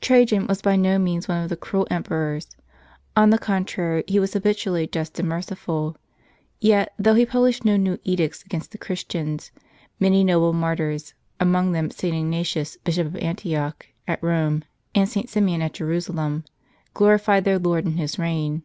Trajan was by no means one of the cruel emperors; on the contrary, he was habitually just and merciful. Yet, though he published no new edicts against the Christians, many noble martyrs — amongst them St. Ignatius, bishop of Antioch, at Rome, and St. Simeon at Jerusalem — glorified their Lord in his reign.